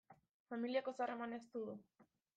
Familiak oso harreman estu du.